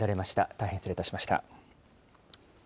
大変失礼いたしました。